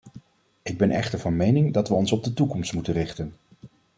Ik ben echter van mening dat we ons op de toekomst moeten richten.